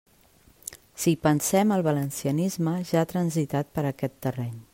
Si hi pensem, el valencianisme ja ha transitat per aquest terreny.